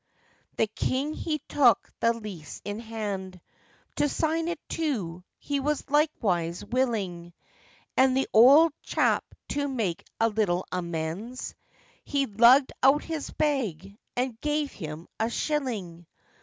The king he took the lease in hand, To sign it, too, he was likewise willing; And the old chap to make a little amends, He lugg'd out his bag, and gave him a shilling.